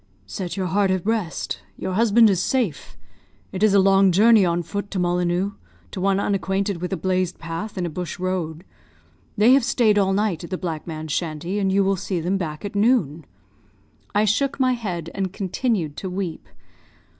"Set your heart at rest; your husband is safe. It is a long journey on foot to Mollineux, to one unacquainted with a blazed path in a bush road. They have stayed all night at the black man's shanty, and you will see them back at noon." I shook my head and continued to weep.